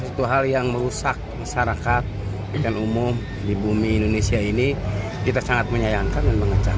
itu hal yang merusak masyarakat dan umum di bumi indonesia ini kita sangat menyayangkan dan mengecam